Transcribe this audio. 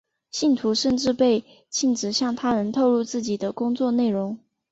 信徒甚至被禁止向他人透露自己的工作内容。